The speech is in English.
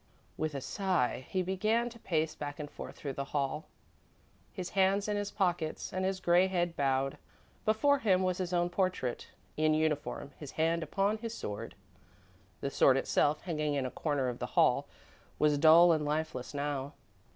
With a sigh, he began to pace back and forth through the hall, his hands in his pockets, and his grey head bowed. Before him was his own portrait, in uniform, his hand upon his sword. The sword itself, hanging in a corner of the hall, was dull and lifeless now.